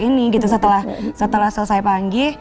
jadi kalau misalnya besan ini setelah selesai panggi